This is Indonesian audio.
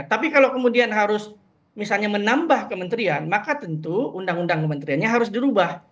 tapi kalau kemudian harus misalnya menambah kementerian maka tentu undang undang kementeriannya harus dirubah